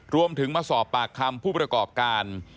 รวมถึงมาสอบปากคำผู้ประกอบการ